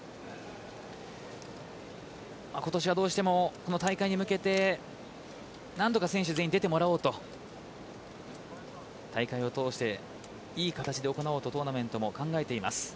ことしはどうしても何とか選手全員に出てもらおうと大会を通していい形で行おうとトーナメントも考えています。